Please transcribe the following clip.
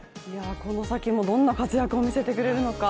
この先もどんな活躍を見せてくれるのか。